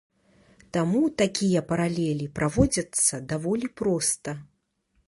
Таму такія паралелі праводзяцца даволі проста.